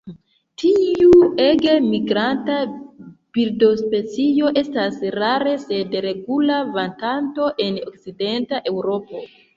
Tiu ege migranta birdospecio estas rare sed regula vaganto en okcidenta Eŭropo.